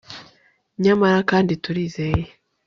nyamara kandi turizeye